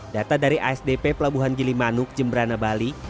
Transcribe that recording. data dari asdp pelabuhan gilimanuk jemberana bali